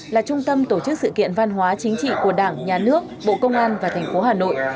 là trung tâm tổ chức sự kiện văn hóa chính trị của đảng nhà nước bộ công an và thành phố hà nội